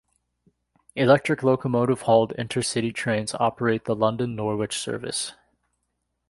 Electric locomotive-hauled inter-city trains operate the London-Norwich service.